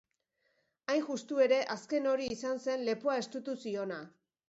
Hain justu ere, azken hori izan zen lepoa estutu ziona.